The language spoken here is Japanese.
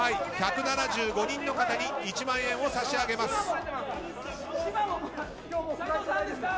１７５人の方に１万円を差し上げます。